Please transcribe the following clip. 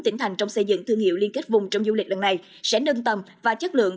một mươi bốn tỉnh thành trong xây dựng thương hiệu liên kết vùng trong du lịch lần này sẽ nâng tầm và chất lượng